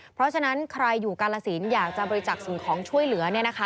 เพราะฉะนั้นใครอยู่กาลสินอยากจะบริจักษ์สิ่งของช่วยเหลือเนี่ยนะคะ